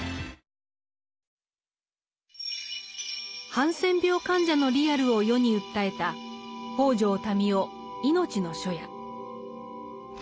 ハンセン病患者のリアルを世に訴えた北條民雄「いのちの初夜」。